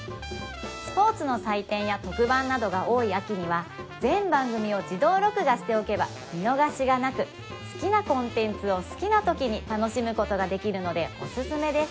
スポーツの祭典や特番などが多い秋には全番組を自動録画しておけば見逃しがなく好きなコンテンツを好きな時に楽しむことができるのでおすすめです